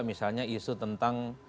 misalnya isu tentang